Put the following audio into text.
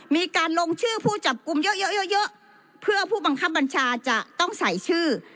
มีการลงชื่อผู้จับกลุ่มเยอะเยอะเพื่อผู้บังคับบัญชาจะต้องใส่ชื่อ